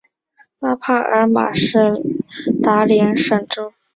拉帕尔马是达连省首府。